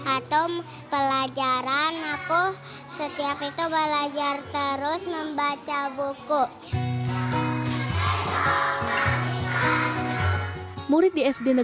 atau pelajaran aku setiap itu belajar terus membaca buku